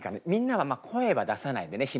みんなはまあ声は出さないでね。